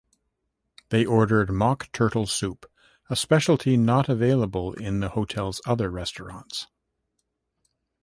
They ordered mock turtle soup, a specialty not available in the hotel's other restaurants.